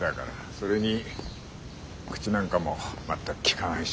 それに口なんかも全く利かないしな。